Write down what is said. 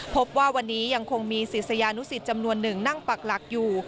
พบว่าวันนี้ยังคงมีศิษยานุสิตจำนวนหนึ่งนั่งปักหลักอยู่